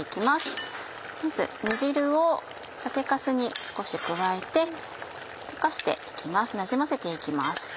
まず煮汁を酒粕に少し加えて溶かして行きますなじませて行きます。